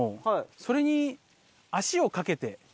それに足をかけて。